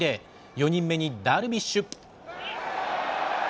４人目にダルビッシュ。